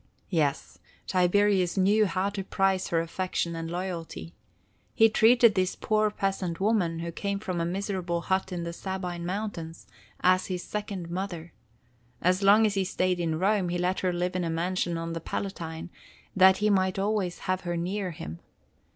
"Yes, Tiberius knew how to prize her affection and loyalty. He treated this poor peasant woman, who came from a miserable hut in the Sabine mountains, as his second mother. As long as he stayed in Rome, he let her live in a mansion on the Palatine, that he might always have her near him.